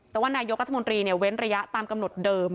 แต่ว่านายกรัฐมนตรีเว้นระยะตามกำหนดเดิม